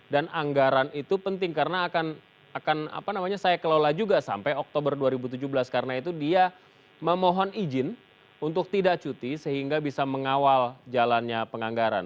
dan anggaran itu penting karena akan apa namanya saya kelola juga sampai oktober dua ribu tujuh belas karena itu dia memohon izin untuk tidak cuti sehingga bisa mengawal jalannya penganggaran